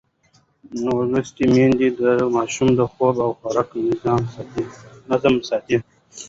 لوستې میندې د ماشوم د خوب او خوراک نظم ساتي.